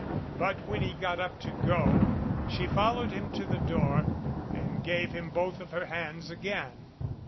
But when he got up to go she followed him to the door and gave him both of her hands again.